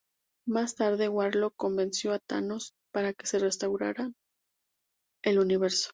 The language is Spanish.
Más tarde, Warlock convenció a Thanos para que restaurara el Universo.